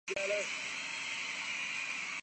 ابھی یہ طے ہو نا ہے کہ کون سی صنعت کہاں لگنی ہے۔